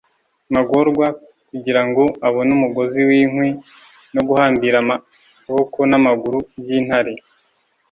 magorwa kugirango abone umugozi winkwi no guhambira amaboko namaguru byintare